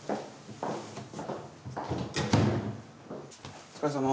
お疲れさま。